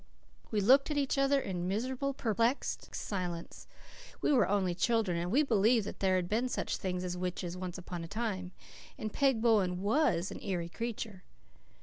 We looked at each other in miserable, perplexed silence. We were only children and we believed that there had been such things as witches once upon a time and Peg Bowen WAS an eerie creature.